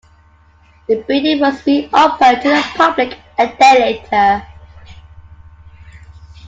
The building was re-opened to the public a day later.